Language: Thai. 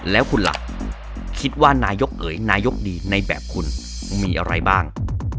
แล้วคุณล่ะคิดว่านายกเอ๋ยนายกดีในแบบคุณมีอะไรบ้าง